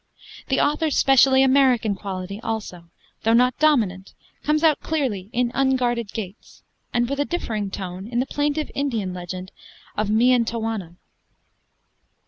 The author's specially American quality, also, though not dominant, comes out clearly in 'Unguarded Gates,' and with a differing tone in the plaintive Indian legend of 'Miantowona.'